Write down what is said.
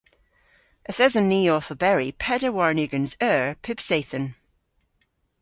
Yth eson ni owth oberi peder warn ugens eur pub seythen.